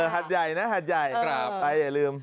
หัดใหญ่นะหาดใหญ่ไปอย่าลืม